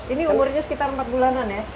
ini umurnya sekitar empat bulanan ya